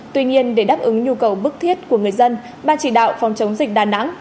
tuy nhiên để đáp ứng nhu cầu bức thiết của người dân ban chỉ đạo phòng chống dịch đà nẵng